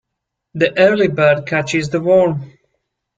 The early bird catches the worm.